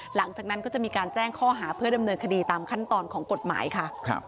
หลังจากนั้นก็จะมีการแจ้งข้อหาเพื่อดำเนินคดีตามขั้นตอนของกฎหมายค่ะ